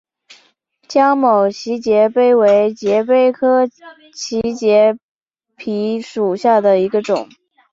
江某畸节蜱为节蜱科畸节蜱属下的一个种。